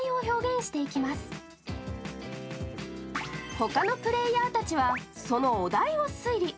他のプレイヤーたちはそのお題を推理。